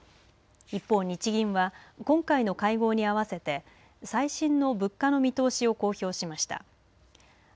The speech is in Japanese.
一方、日銀は今回の会合に合わせて最新の物価の見通しを公表しました。